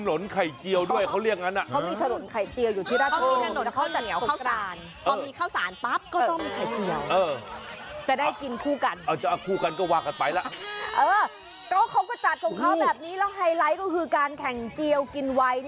และนี่คือคู่สนับของการแข่งเจียวกินไว